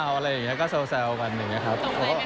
อะไรอย่างนี้ก็แซวกันอย่างนี้ครับ